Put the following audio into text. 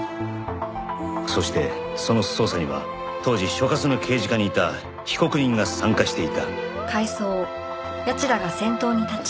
そしてその捜査には当時所轄の刑事課にいた被告人が参加していた。